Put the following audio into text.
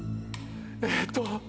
えーっと。